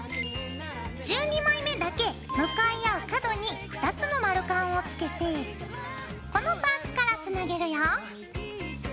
１２枚目だけ向かい合う角に２つの丸カンをつけてこのパーツからつなげるよ。